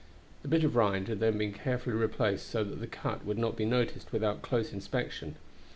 The bit of rind had then been carefully replaced so that the cut would not be noticed without close inspection.